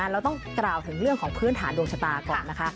เราต้องกล่าวถึงเรื่องของพื้นฐานดวงชะตาก่อนนะคะ